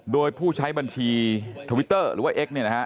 โดยผู้ใช้บัญชีทวิตเตอร์หรือว่าเอ็กซเนี่ยนะฮะ